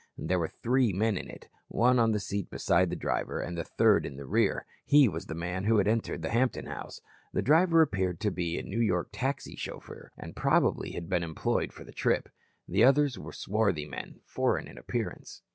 There were three men in it, one on the seat beside the driver and the third in the rear. He was the man who had entered the Hampton house. The driver appeared to be a New York taxi chauffeur, and probably had been employed for the trip. The others were swarthy men, foreign in appearance.